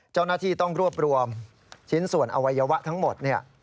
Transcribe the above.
เจ้าหน้าที่ต้องรวบรวมชิ้นส่วนอวัยวะทั้งหมดเนี่ย